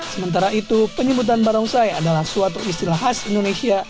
sementara itu penyebutan barongsai adalah suatu istilah khas indonesia